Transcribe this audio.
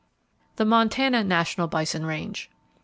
The Montana National Bison Range.